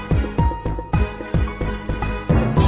กินโทษส่องแล้วอย่างนี้ก็ได้